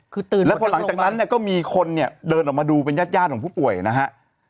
คือตื่นแล้วพอหลังจากนั้นเนี่ยก็มีคนเนี่ยเดินออกมาดูเป็นญาติญาติของผู้ป่วยนะฮะ